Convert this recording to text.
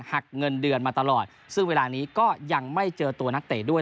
หักเงินเดือนมาตลอดซึ่งเวลานี้ก็ยังไม่เจอตัวนักเตะด้วย